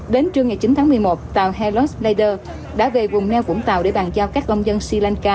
đến trưa ngày chín tháng một mươi một tàu hellos leder đã về vùng neo vũng tàu để bàn giao các công dân sri lanka